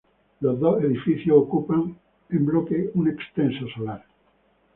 Los dos edificios ocupan en bloque un extenso solar.